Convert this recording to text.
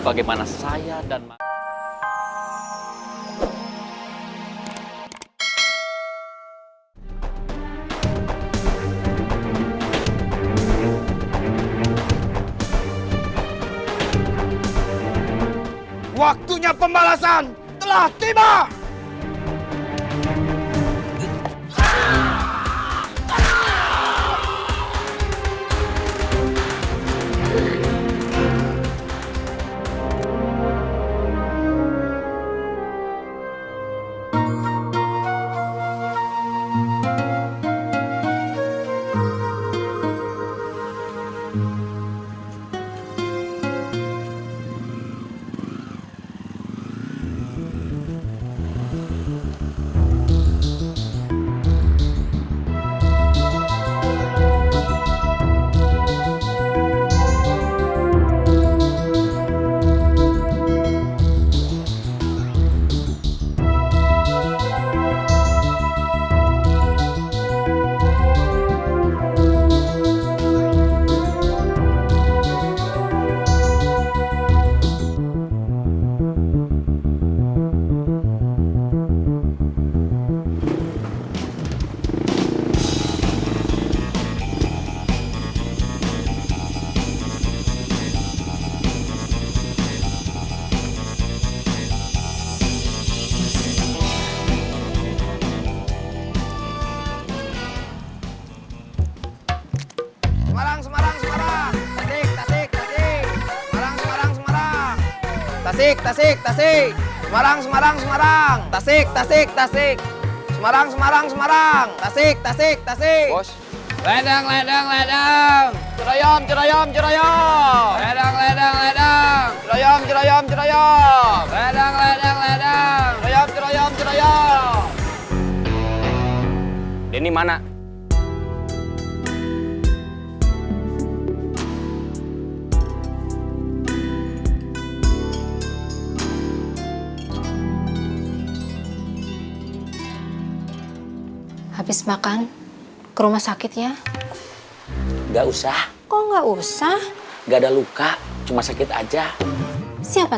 habis makan ke rumah sakit ya enggak usah kok nggak usah enggak ada luka cuma sakit aja siapa